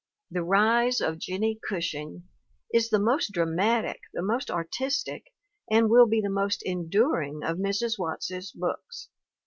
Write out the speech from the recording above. The Rise of Jennie Gushing is the most dramatic, the most artistic, and will be the most enduring of Mrs. Watts's books.